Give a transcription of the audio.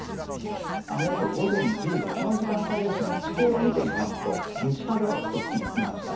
雨予想、午前１０時この時間帯、地形を見てみますと西風が吹くと言いました。